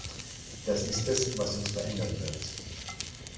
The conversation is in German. Das ist es, was uns verändern wird.